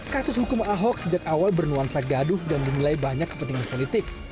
kasus hukum ahok sejak awal bernuansa gaduh dan dinilai banyak kepentingan politik